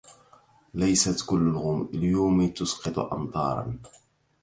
ليست كل الغيوم تسقط أمطاراً.